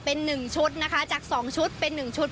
เป็น๑ชุดนะคะจาก๒ชุดเป็น๑ชุด